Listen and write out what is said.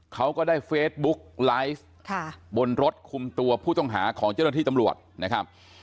เขาก็ได้เฟซบุ๊กไลฟ์บนรถคุมตัวผู้ต้องหาของเจ้าหน้าที่ตำรวจนะครับ